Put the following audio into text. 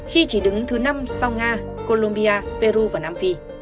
khi chỉ đứng thứ năm sau nga colombia peru và nam phi